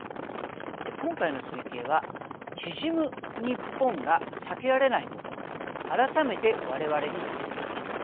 今回の推計は縮むニッポンが避けられないことを改めて我々に突きつけました。